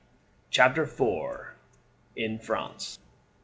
'" CHAPTER IV: In France.